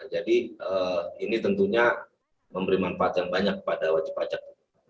jadi ini tentunya memberi manfaat yang banyak kepada wajib pajak